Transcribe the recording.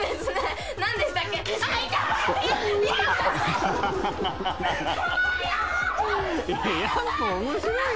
すごーい！